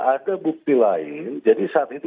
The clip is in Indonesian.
ada bukti lain jadi saat itu